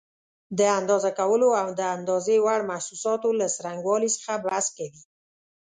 د اندازه کولو او د اندازې وړ محسوساتو له څرنګوالي څخه بحث کوي.